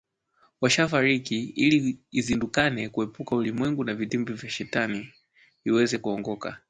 washafariki ili izindukane kuepuka ulimwengu na vitimbi vya shetani iweze kuongoka